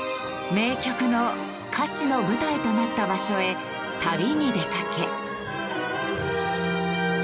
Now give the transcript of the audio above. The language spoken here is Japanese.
名曲の歌詞の舞台となった場所へ旅に出かけ。